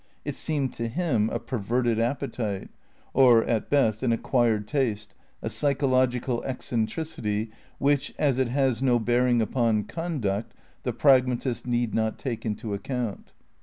It seemed to him a perverted appetite, or at best an acquired taste, a psychological eccentricity which, as it has no bearing upon conduct, the pragmatist need not take into account.